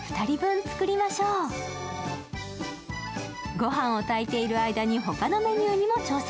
御飯を炊いている間にほかのメニューにも挑戦。